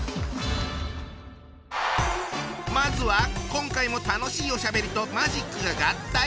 まずは今回も楽しいおしゃべりとマジックが合体。